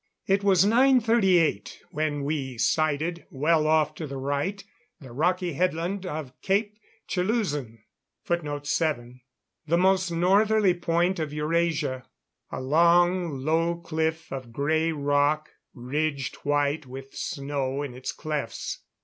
It was 9:38 when we sighted, well off to the right, the rocky headland of Cape Chelusin the most northerly point of Eurasia. A long, low cliff of grey rock, ridged white with snow in its clefts.